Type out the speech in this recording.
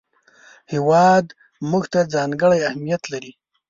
هېواد موږ ته ځانګړی اهمیت لري